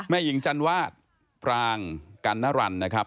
หญิงจันวาดปรางกัณรันนะครับ